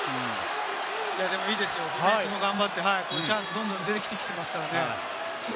いいですよ、ディフェンスも頑張ってチャンスがどんどん出てきていますからね。